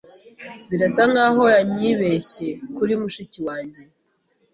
Birasa nkaho yanyibeshye kuri mushiki wanjye.